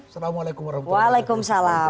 assalamualaikum wr wb